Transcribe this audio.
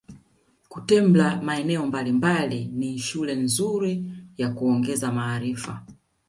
Kutembla maeneo mbalimbali ni shule nzuri ya kuongeza maarifa